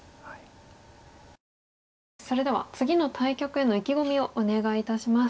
それでは次の対局への意気込みをお願いいたします。